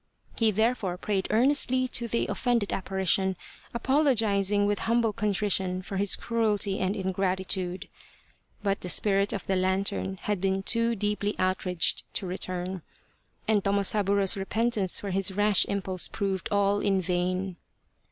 He therefore prayed earnestly to the offended apparition, apologizing with humble contrition for his cruelty and ingratitude. But the Spirit of the Lantern had been too deeply outraged to return, and Tomosaburo's repentance for his rash impulse proved all in vain.